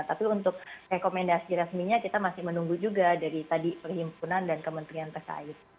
tapi untuk rekomendasi resminya kita masih menunggu juga dari tadi perhimpunan dan kementerian terkait